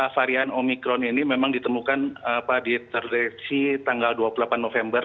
varian omikron ini memang ditemukan di terdeteksi tanggal dua puluh delapan november